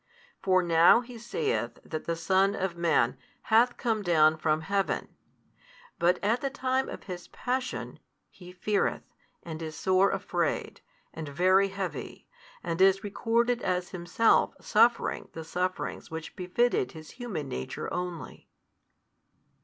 For now He saith that the Son of man hath come down from heaven: but at the time of His Passion, He feareth, and is sore afraid, and very heavy, and is recorded as Himself suffering the Sufferings which befitted His Human Nature only.